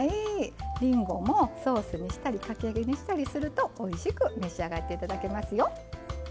りんごもソースにしたりかき揚げにしたりするとおいしく召し上がって頂けますよ。